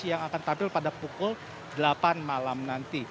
yang akan tampil pada pukul delapan malam nanti